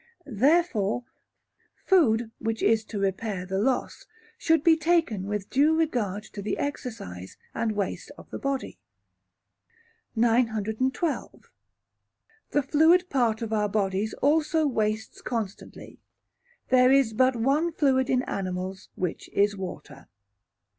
Therefore, food which is to repair the loss, should be taken with due regard to the exercise and waste of the body. 912. Water. The fluid part of our bodies also wastes constantly; there is but one fluid in animals, which is water.